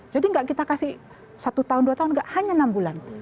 jadi nggak kita kasih satu tahun dua tahun nggak hanya enam bulan